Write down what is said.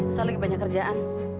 saya lagi banyak kerjaan